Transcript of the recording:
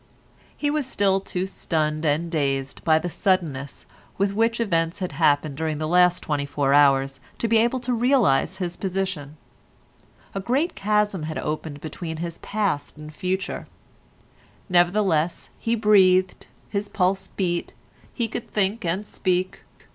He was still too stunned and dazed by the suddenness with which events had happened during the last twenty four hours to be able to realise his position. A great chasm had opened between his past and future; nevertheless he breathed, his pulse beat, he could think and speak.